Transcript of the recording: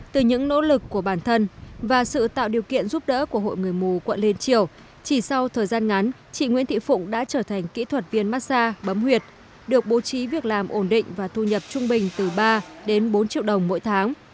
từ những nỗ lực của bản thân và sự tạo điều kiện giúp đỡ của hội người mù quận liên triều chỉ sau thời gian ngắn chị nguyễn thị phụng đã trở thành kỹ thuật viên massag bấm huyệt được bố trí việc làm ổn định và thu nhập trung bình từ ba đến bốn triệu đồng mỗi tháng